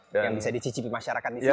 yang bisa dicicipi masyarakat di sini gitu ya